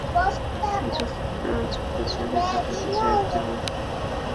ঝোপঝাড়ে থাকা কিছু একটা আমাদের দিকে এগিয়ে আসছিল।